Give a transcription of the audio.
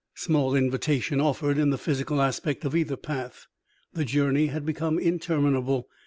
Small invitation offered in the physical aspect of either path. The journey had become interminable.